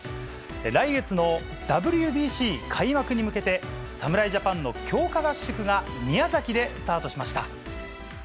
来月のＷＢＣ開幕に向けて侍ジャパンの強化合宿が宮崎でスタートしました。